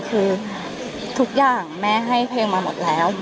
คือทุกอย่างแม่ให้เพลงมาหมดแล้ว